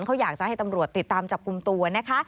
เขาอยากจะให้ตำรวจติดตามจับกลุ่มตัวนะคะ